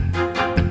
lomba tarik tambang